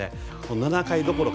７回どころか